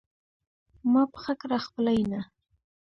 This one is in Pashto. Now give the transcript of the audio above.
ما پخه کړه خپله ينه